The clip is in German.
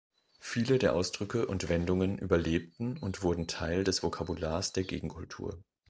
Viele der Ausdrücke und Wendungen überlebten und wurden Teil des Vokabulars der Gegenkultur.